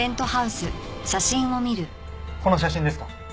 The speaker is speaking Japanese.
この写真ですか？